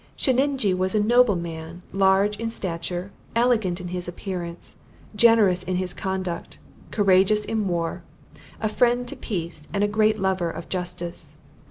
Sheninjee was a noble man; large in stature; elegant in his appearance; generous in his conduct; courageous in war; a friend to peace, and a great lover of justice.